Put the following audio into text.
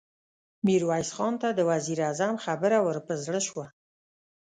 ميرويس خان ته د وزير اعظم خبره ور په زړه شوه.